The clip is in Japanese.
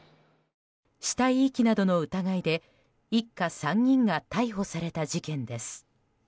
死体遺棄などの疑いで一家３人が逮捕された事件です。